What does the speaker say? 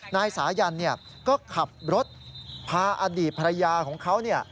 นายสายันก็ขับรถพาอดีตภรรยาของเขา